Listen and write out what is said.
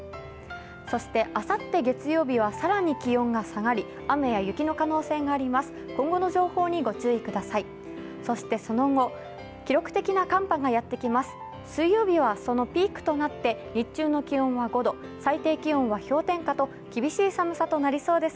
そしてあさって月曜日は更に気温が下がり、雨や雪の可能性があります。